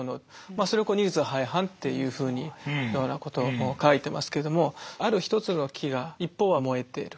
それを「二律背反」というようなことを書いてますけどもある一つの木が一方は燃えている。